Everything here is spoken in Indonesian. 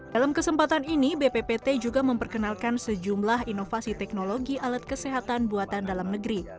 dalam kesempatan ini bppt juga memperkenalkan sejumlah inovasi teknologi alat kesehatan buatan dalam negeri